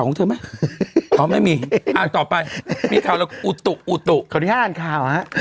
ของที่๕อันคาวฮะ